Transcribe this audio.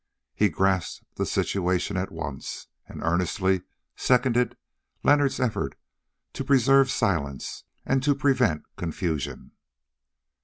He grasped the situation at once and earnestly seconded Leonard's efforts to preserve silence and to prevent confusion.